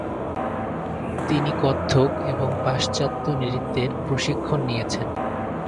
তিনি কত্থক এবং পাশ্চাত্য নৃত্যের প্রশিক্ষণ নিয়েছেন।